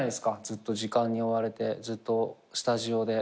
ずっと時間に追われてずっとスタジオで。